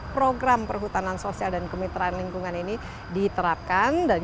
program perhutanan sosial dan kemitraan lingkungan ini diterapkan dan kita bisa lihat